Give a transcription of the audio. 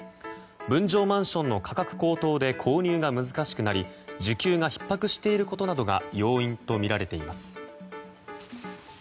分譲マンションの価格高騰で購入が難しくなり需給がひっ迫していることなどが要因とみられています。